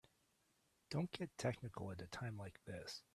Don't get technical at a time like this.